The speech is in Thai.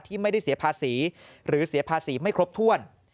ไม่ได้เสียภาษีหรือเสียภาษีไม่ครบถ้วน